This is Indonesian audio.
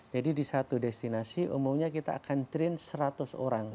jadi di satu destinasi umumnya kita akan train seratus orang